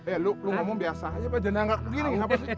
eh lu ngomong biasa aja pak jangan nganggak begini